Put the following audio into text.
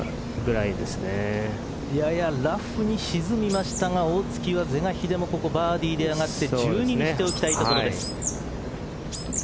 ややラフに沈みましたが大槻は是が非でもここバーディーで上がって１２にしておきたいところです。